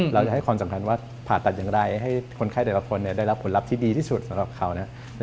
เราจะให้ความสำคัญว่าผ่าตัดอย่างไรให้คนไข้แต่ละคนได้รับผลลัพธ์ที่ดีที่สุดสำหรับเขานะ